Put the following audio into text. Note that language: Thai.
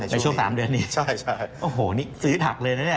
ในช่วง๓เดือนนี้ใช่โอ้โหนี่ซื้อถักเลยนะเนี่ย